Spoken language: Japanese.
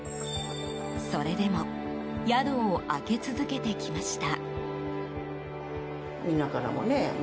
それでも宿を開け続けてきました。